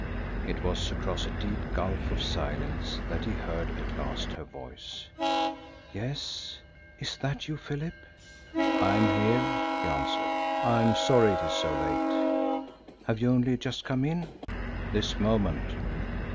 It was across a deep gulf of silence that he heard at last her voice. "Yes? Is that you, Philip?" "I am here," he answered. "I am sorry it is so late." "Have you only just come in?" "This moment."